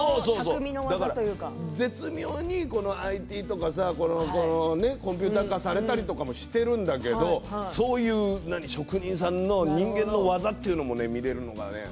絶妙にＩＴとかコンピューター化されたりしてるんだけどそういう職人さんの人間の技というものも、見られるからね。